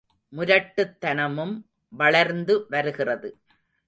முரட்டுதனமும் வளர்ந்து வருகிறது.